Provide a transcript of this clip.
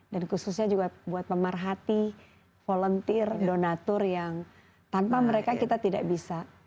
dan khususnya juga buat pemerhati volunteer donatur yang tanpa mereka kita tidak bisa